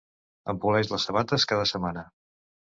Em poleix les sabates cada setmana.